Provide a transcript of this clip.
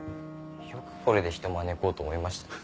よくこれで人招こうと思いましたね。